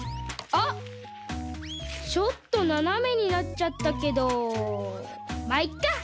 あっちょっとななめになっちゃったけどまあいっか。